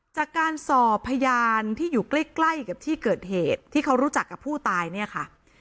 จากการสอบพยานที่อยู่ใกล้ใกล้กับที่เกิดเหตุที่เขารู้จักกับผู้ตายเนี่ยค่ะ